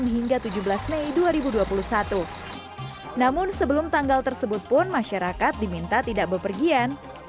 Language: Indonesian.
enam hingga tujuh belas mei dua ribu dua puluh satu namun sebelum tanggal tersebut pun masyarakat diminta tidak berpergian